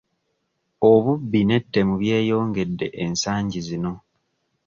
Obubbi n'ettemu byeyongedde ensagi zino.